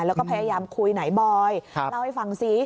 แล้วก็พยายามคุยไหนบอยเล่าให้ฟังซิ